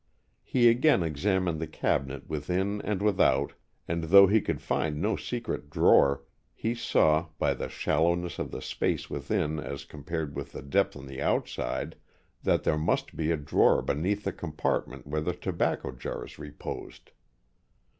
He again examined the cabinet within and without, and though he could find no secret drawer, he saw, by the shallowness of the space within as compared with the depth on the outside, that there must be a drawer beneath the compartment where the tobacco jars reposed.